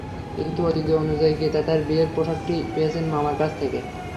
কিন্তু ঐতিহ্য অনুযায়ী গীতা তাঁর বিয়ের পোশাকটি পেয়েছেন মামার কাছ থেকে।